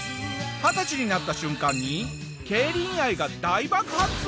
二十歳になった瞬間に競輪愛が大爆発するぞ！